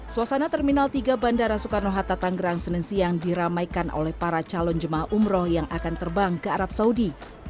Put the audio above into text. suasana terminal tiga bandara soekarno hatta tanggerang senin siang diramaikan oleh para calon jemaah umroh yang akan terbang ke arab saudi